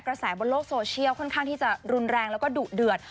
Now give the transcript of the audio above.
กระแสบนโลกโซเชียลค่อนข้างที่จะรุนแรงแล้วก็ดุเดือด